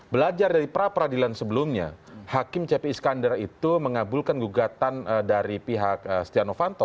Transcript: belajar dari pra peradilan sebelumnya hakim cepi iskandar itu mengabulkan gugatan dari pihak stiano fanto